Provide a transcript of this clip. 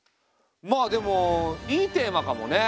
まあでもいいテーマかもね。